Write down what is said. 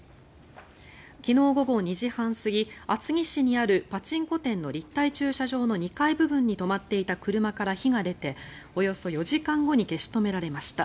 昨日午後２時半過ぎ厚木市にあるパチンコ店の立体駐車場の２階部分に止まっていた車から火が出ておよそ４時間後に消し止められました。